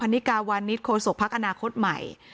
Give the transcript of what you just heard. และการแสดงสมบัติของแคนดิเดตนายกนะครับ